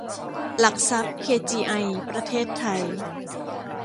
หลักทรัพย์ เคจีไอ ประเทศไทย